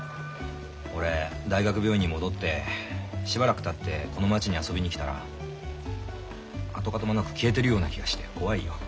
俺大学病院に戻ってしばらくたってこの町に遊びに来たら跡形もなく消えてるような気がして怖いよ出てくの。